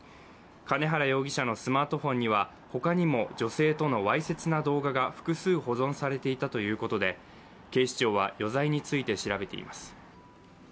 兼原容疑者のスマートフォンには他にも女性のとわいせつ動画が複数保存されていたということで警視庁は余罪について調べています。